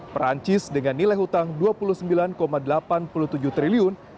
perancis dengan nilai hutang rp dua puluh sembilan delapan puluh tujuh triliun